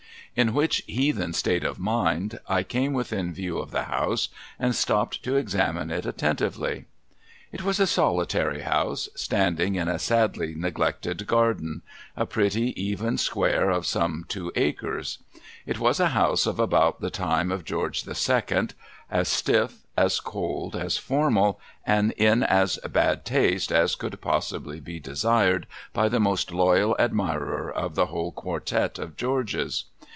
In which heathen state of mind, I came within view of the house, and stopped to examine it attentively. It was a solitary house, standing in a sadly neglected garden : a pretty even square of some two acres. It was a house of about the time of George the Second ; as stiff, as cold, as formal, and in as 202 THE IIALXTED HOUSE bad taste, as could possibly be desired by the most loyal admirer of the whole quartett of Georges.